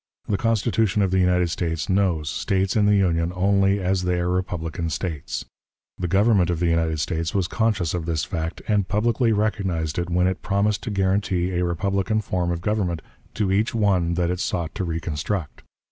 The Constitution of the United States knows States in the Union only as they are republican States. The Government of the United States was conscious of this fact, and publicly recognized it when it promised to guarantee a republican form of government to each one that it sought to reconstruct.